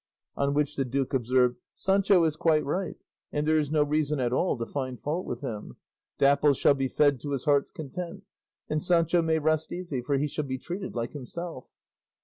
On which the duke observed, "Sancho is quite right, and there is no reason at all to find fault with him; Dapple shall be fed to his heart's content, and Sancho may rest easy, for he shall be treated like himself."